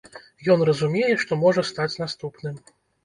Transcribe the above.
Ён разумее, што можа стаць наступным.